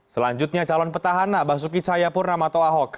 selanjutnya calon petahana basuki cayapur namato ahok